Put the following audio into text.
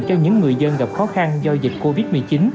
cho những người dân gặp khó khăn do dịch covid một mươi chín